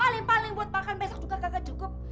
paling paling buat makan besok juga kagak cukup